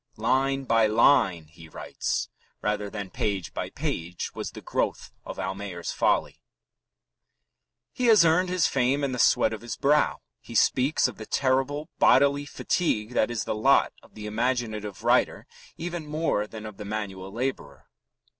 "Line by line," he writes, "rather than page by page, was the growth of Almayer's Folly." He has earned his fame in the sweat of his brow. He speaks of the terrible bodily fatigue that is the lot of the imaginative writer even more than of the manual labourer.